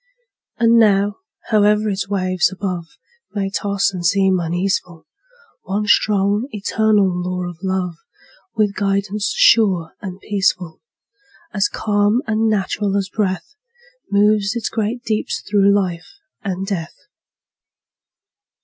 And now, howe'er its waves above May toss and seem uneaseful, One strong, eternal law of Love, With guidance sure and peaceful, As calm and natural as breath, Moves its great deeps through life and death.